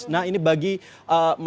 nah ini bagi mas farid sebagai penyelamat